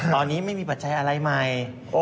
ตอนนี้ไม่มีปัจจัยอะไรใหม่